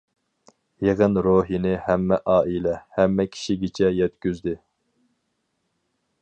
يىغىن روھىنى ھەممە ئائىلە، ھەممە كىشىگىچە يەتكۈزدى.